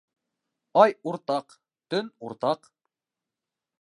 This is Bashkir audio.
Ай уртаҡ, төн уртаҡ.